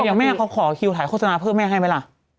อย่างแม่เขาขอคิวถ่ายโฆษณาเพิ่มแม่ให้ไหมล่ะ